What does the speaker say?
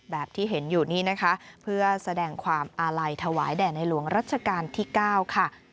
แบบที่เห็นอยู่นี่นะคะเพื่อแสดงความอาลัยถวายแด่ในหลวงรัชกาลที่๙ค่ะ